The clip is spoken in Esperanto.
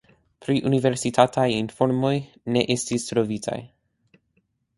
Pri universitatoj informoj ne estis trovitaj.